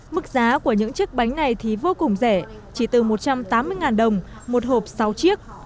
mức giá của những chiếc bánh này thì vô cùng rẻ chỉ từ một trăm tám mươi đồng một hộp sáu chiếc